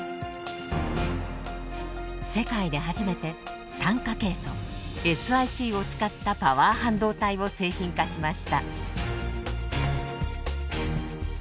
世界で初めて炭化ケイ素ＳｉＣを使ったパワー半導体を製品化しました。